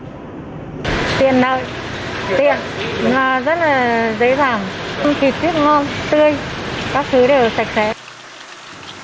tiền rất là dễ dàng không kịp rất ngon tươi các thứ đều sạch sẽ